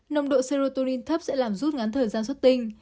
nồng độ serotonin thấp sẽ làm rút ngắn thời gian sốt tinh